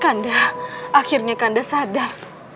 kanda akhirnya kanda sadar